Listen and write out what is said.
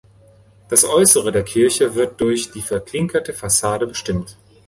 Das Äußere der Kirche wird durch die verklinkerte Fassade bestimmt.